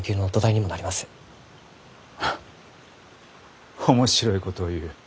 フッ面白いことを言う。